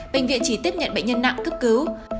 bệnh viện chỉ tiếp nhận bệnh nhân nặng cấp cứu